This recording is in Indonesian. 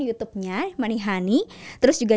youtubenya manihani terus juga